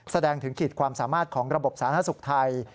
แสดงถึงขีดความสามารถของระบบสาธารณสุขไทย